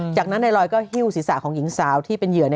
จากนั้นนายลอยก็หิ้วศีรษะของหญิงสาวที่เป็นเหยื่อ